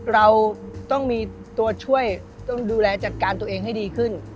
เราต้องมีตัวช่วยต้องดูแลจัดการตัวเองให้ดีขึ้น